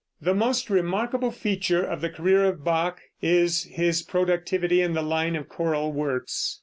The most remarkable feature of the career of Bach is his productivity in the line of choral works.